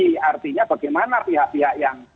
jadi artinya bagaimana pihak pihak yang